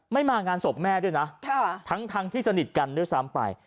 มางานศพแม่ด้วยนะทั้งที่สนิทกันด้วยซ้ำไป